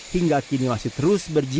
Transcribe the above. hingga kini masih terus berjalan